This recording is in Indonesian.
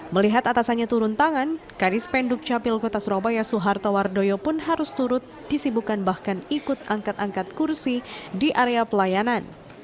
melihat atasannya turun tangan kadis penduk capil kota surabaya soeharto wardoyo pun harus turut disibukkan bahkan ikut angkat angkat kursi di area pelayanan